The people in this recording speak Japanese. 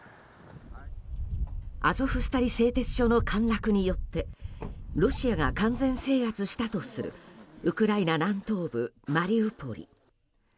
アゾフスタリ製鉄所の陥落によってロシアが完全制圧したとするウクライナ南東部マリウポリ。